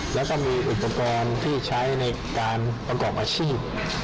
แล้วก็มีอุปกรณ์ที่ใช้ในการประกอบอาชีพ